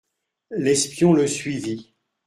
L'espion le suivit.